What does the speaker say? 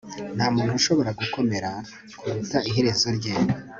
nta muntu ushobora gukomera kuruta iherezo rye